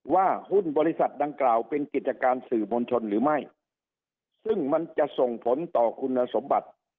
ว่าหุ้นบริษัทดังกล่าวเป็นกิจการสื่อมวลชนหรือไม่ซึ่งมันจะส่งผลต่อคุณสมบัติ